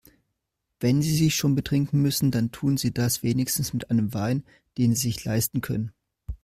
Wenn Sie sich schon betrinken müssen, dann tun Sie das wenigstens mit einem Wein, den Sie sich leisten können.